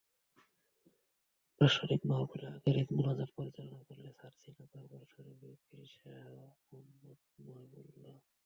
বাৎসরিক মাহফিলে আখেরি মোনাজাত পরিচালনা করেন ছারছিনা দরবার শরিফের পীর শাহ মোহাম্মদ মোহেবুল্লাহ।